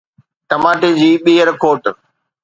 ٽماٽي جي ٻيهر کوٽ